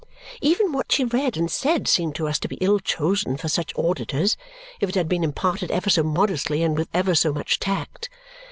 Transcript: Even what she read and said seemed to us to be ill chosen for such auditors, if it had been imparted ever so modestly and with ever so much tact.